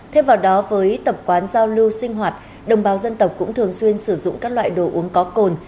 thêm vào đó với tập quán giao lưu sinh hoạt đồng bào dân tộc cũng thường xuyên sử dụng các loại đồ uống có cồn